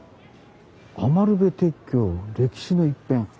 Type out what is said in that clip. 「余部鉄橋」歴史の一片。